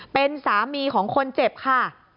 เป็นสามีของคนเจ็บค่ะ